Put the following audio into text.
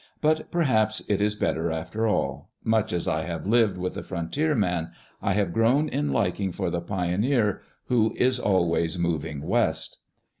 But perhaps it is better after all ? Much as I have lived with the frontier man, I have grown in liking for the pioneer who is always "moving West."